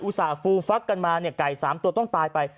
ส่าห์ฟูฟักกันมาเนี่ยไก่๓ตัวต้องตายไป